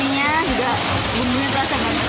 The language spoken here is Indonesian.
terus ini juga bumbunya terasa banyak